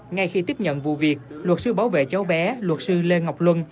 ngay khi tiếp nhận vụ việc luật sư bảo vệ cháu bé luật sư lê ngọc luân